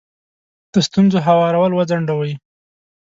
د ستونزو هوارول وځنډوئ.